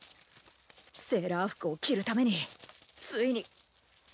セーラー服を着るためについについに。